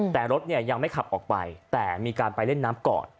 แต่รถเนี่ยยังไม่ขับออกไปแต่มีการไปเล่นน้ำก่อน